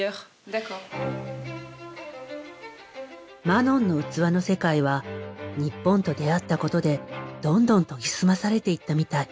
マノンの器の世界は日本と出会ったことでどんどん研ぎ澄まされていったみたい。